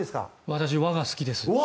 私、和が好きです。